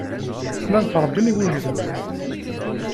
Llan ttṛebbin igujilen.